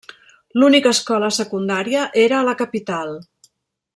L'única escola secundària era a la capital.